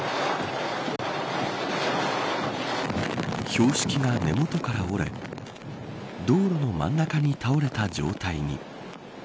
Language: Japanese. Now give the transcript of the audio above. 標識が根元から折れ道路の真ん中に倒れた状態に。